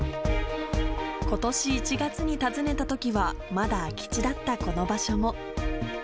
ことし１月に訪ねたときはまだ空き地だったこの場所も。